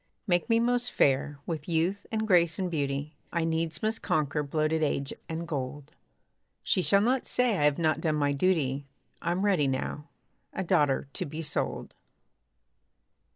Make me most fair! with youth and grace and beauty, I needs must conquer bloated age and gold. She shall not say I have not done my duty; I'm ready now a daughter to be sold!